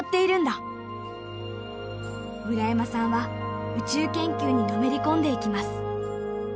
村山さんは宇宙研究にのめり込んでいきます。